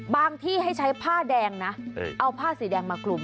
ที่ให้ใช้ผ้าแดงนะเอาผ้าสีแดงมากลุ่ม